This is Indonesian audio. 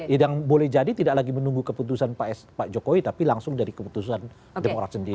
yang boleh jadi tidak lagi menunggu keputusan pak jokowi tapi langsung dari keputusan demokrat sendiri